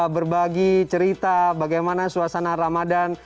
berbagi cerita bagaimana suasana ramadan